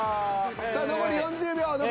さあ残り４０秒。